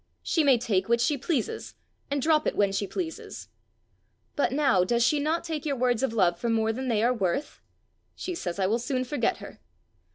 "She may take which she pleases, and drop it when she pleases." "But now, does she not take your words of love for more than they are worth?" "She says I will soon forget her."